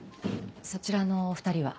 そちらのお２人は？